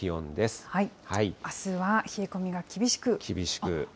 あすは冷え込みが厳しく。